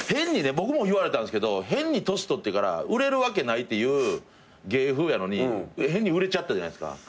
僕も言われたんすけど変に年取ってから売れるわけないっていう芸風やのに変に売れちゃったじゃないですか。